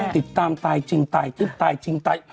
ติดตามตายจริงตายทริปตายจริงตาย